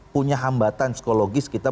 punya hambatan psikologis kita